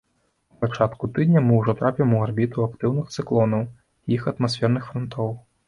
У пачатку тыдня мы ўжо трапім у арбіту актыўных цыклонаў і іх атмасферных франтоў.